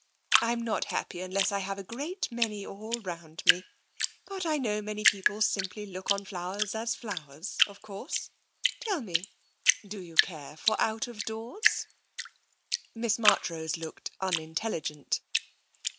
I'm not happy unless I have a great many all round me. ... But I know many peo ple simply look on flowers as flowers, of course. Tell me, do you care for out of doors? " Miss Marchrose looked unintelligent.